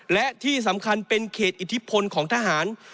และที่สำคัญเป็นเขตอิทธิพลของทหาร